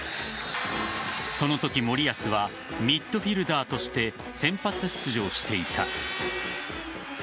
その時、森保はミッドフィールダーとして先発出場していた。